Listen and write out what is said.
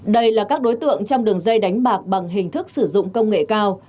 đây là các đối tượng trong đường dây đánh bạc bằng hình thức sử dụng công nghệ cao